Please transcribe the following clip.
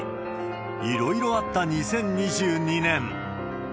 いろいろあった２０２２年。